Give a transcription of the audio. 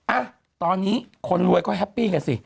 อ่ะตอนนี้คนรวยก็แฮปปี้กันสิ